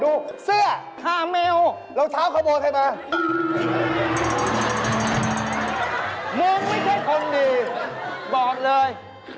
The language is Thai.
ดูเสื้อเราเท้าขโมยให้มามุมไม่ใช่คนดีบอกเลย